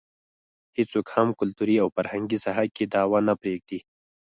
هېڅوک هم د کلتوري او فرهنګي ساحه کې دعوه نه پرېږدي.